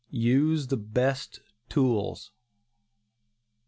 USE THE BEST TOOLS.